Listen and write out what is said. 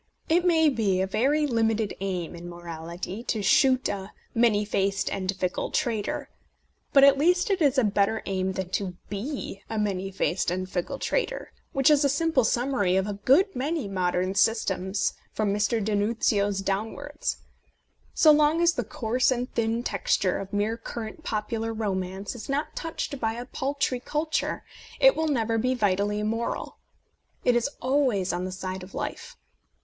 It may be a very limited aim in morality to shoot a " many faced and fickle traitor," but at least it is a better aim than to be a many faced and fickle traitor, which is a simple summary of a good many modern A Defence of Penny Dreadfuls systems from Mr. d'Annunzio's downwards. So long as the coarse and thin texture of mere current popular romance is not touched by a paltry culture it will never be vitally immoral. It is always on the side of life.